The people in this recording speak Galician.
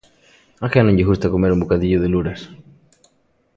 A quen non lle gusta comer un bocadillo de luras?